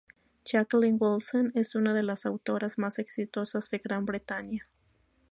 Jacqueline Wilson es una de las autoras más exitosas de Gran Bretaña.